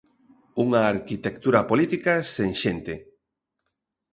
Unha arquitectura política sen xente.